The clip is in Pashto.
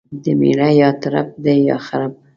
دميړه يا ترپ دى يا خرپ.